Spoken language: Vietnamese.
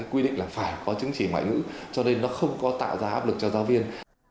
quy định là phải có chứng chỉ ngoại ngữ cho nên nó không có tạo ra áp lực cho giáo viên